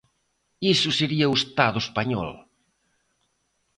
Iso sería o Estado español.